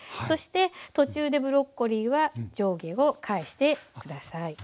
そして途中でブロッコリーは上下を返して下さい。